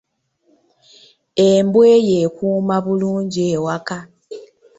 Embwa eyo ekuuma bulungi ewaka.